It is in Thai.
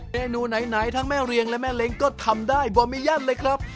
เมนูไหนทั้งแม่เรียงและแม่เล้งก็ทำได้โบมิยั่นเลยครับ